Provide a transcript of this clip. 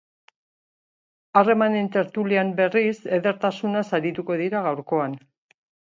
Harremanen tertulian berriz, edertasunaz arituko dira gaurkoan.